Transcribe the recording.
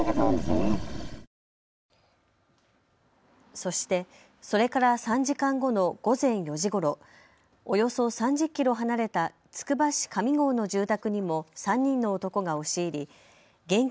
そして、それから３時間後の午前４時ごろ、およそ３０キロ離れたつくば市上郷の住宅にも３人の男が押し入り現金